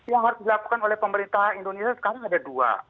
yang harus dilakukan oleh pemerintah indonesia sekarang ada dua